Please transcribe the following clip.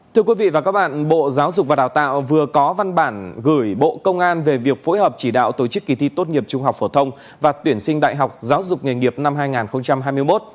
thưa quý vị và các bạn bộ giáo dục và đào tạo vừa có văn bản gửi bộ công an về việc phối hợp chỉ đạo tổ chức kỳ thi tốt nghiệp trung học phổ thông và tuyển sinh đại học giáo dục nghề nghiệp năm hai nghìn hai mươi một